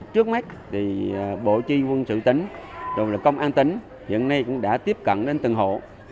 trước mắt thì bộ tri vương sự tính rồi là công an tính hiện nay cũng đã tiếp cận đến từng hộ